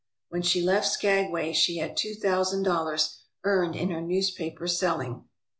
When she left Skagway she had two thou sand dollars earned in her newspaper selling.